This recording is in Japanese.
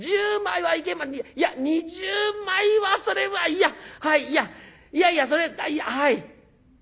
１０枚はいけいや２０枚はそれはいやはいいやいやいやそれいやはい。